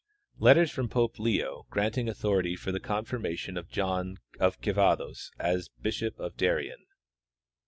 Letters from Pope Leo granting authority for the confirmation of John of Quevedos as bishop of Darien.